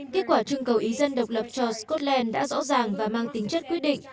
kết quả trưng cầu ý dân độc lập cho scotland đã rõ ràng và mang tính chất quyết định